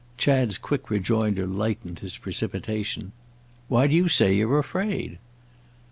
Chad's quick rejoinder lighted his precipitation. "Why do you say you're afraid?"